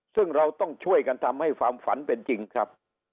ซึ่งเราต้องช่วยกันทำให้ความฝันเป็นจริงครับ